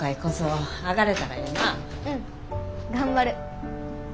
うん頑張る。